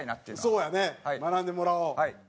そうやね学んでもらおう。